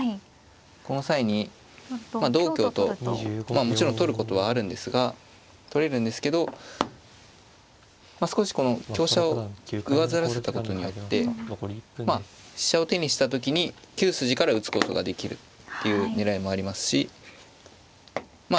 この際に同香とまあもちろん取ることはあるんですが取れるんですけど少しこの香車を上ずらせたことによってまあ飛車を手にした時に９筋から打つことができるっていう狙いもありますしま